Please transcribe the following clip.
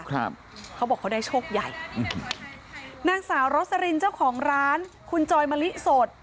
ครับเขาบอกเขาได้โชคใหญ่นางสาวจะของร้านคุณจอยมะลิสด